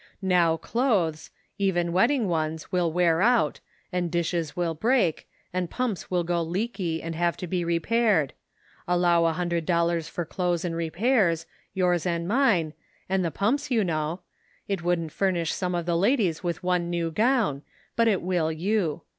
Now, clothes, even wedding ones, will wear out, and dishes will break, and pumps will grow leaky and have to be repaired ; allow a hundred dollars for clothes and repairs, yours and mine, and the pumps, you know ; it wouldn't furnish some of the ladies with one new gown, but it will you.